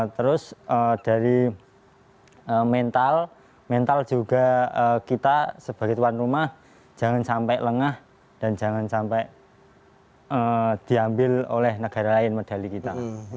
terus dari mental mental juga kita sebagai tuan rumah jangan sampai lengah dan jangan sampai diambil oleh negara lain medali kita